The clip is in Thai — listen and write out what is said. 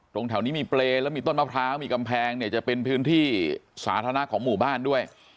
แถวนี้มีเปรย์แล้วมีต้นมะพร้าวมีกำแพงเนี่ยจะเป็นพื้นที่สาธารณะของหมู่บ้านด้วย